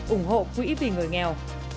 ủng hộ quỹ vì người nghèo